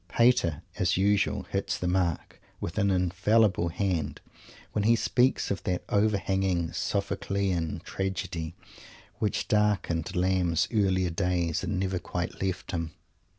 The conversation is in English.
Pater, as usual, hits the mark with an infallible hand when he speaks of that overhanging Sophoclean tragedy which darkened Lamb's earlier days and never quite left him.